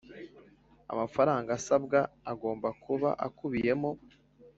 Amafaranga asabwa agomba kuba akubiyemo